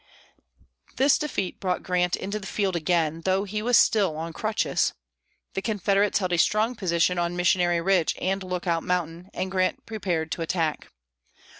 This defeat brought Grant into the field again, though he was still on crutches. The Confederates held a strong position on Missionary Ridge and Lookout Mountain, and Grant prepared to attack.